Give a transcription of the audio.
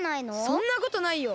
そんなことないよ。